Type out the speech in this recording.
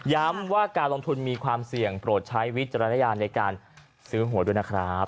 ว่าการลงทุนมีความเสี่ยงโปรดใช้วิจารณญาณในการซื้อหวยด้วยนะครับ